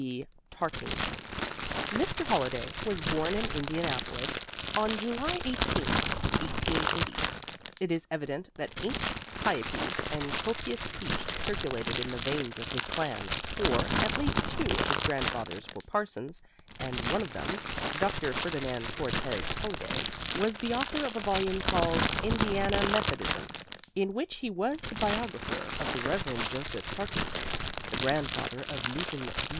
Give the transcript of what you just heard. B. Tarkington. Mr. Holliday was born in Indianapolis on July 18, 1880. It is evident that ink, piety and copious speech circulated in the veins of his clan, for at least two of his grandfathers were parsons, and one of them, Dr. Ferdinand Cortez Holliday, was the author of a volume called "Indiana Methodism" in which he was the biographer of the Rev. Joseph Tarkington, the grandfather of Newton B.